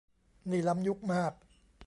นี่ล้ำยุคมาก